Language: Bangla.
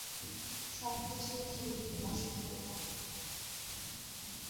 সবকিছুই ধীরে ধীরে নষ্ট হতে থাকে।